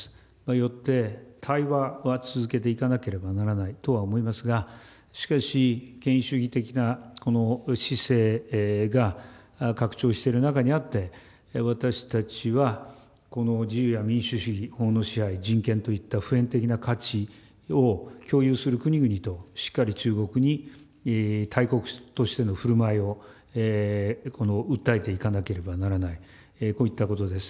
よって対話は続けていかなければならないとは思いますが、しかし、権威主義的な、この姿勢が拡張している中にあって、私たちは、この自由や民主主義、法の支配、人権といった普遍的な価値を共有する国々としっかり、中国に大国としてのふるまいを訴えていかなければならない、こういったことです。